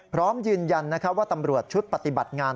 พร้อมยืนยันว่าตำรวจชุดปฏิบัติงาน